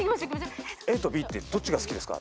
ＡとＢってどっちが好きですか？